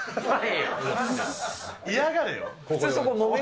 嫌がれよ。